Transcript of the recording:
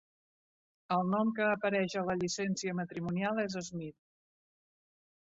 El nom que apareix a la llicència matrimonial és Smith.